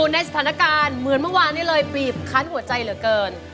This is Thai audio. ในสถานการณ์เหมือนเมื่อวานนี้เลยบีบคั้นหัวใจเหลือเกิน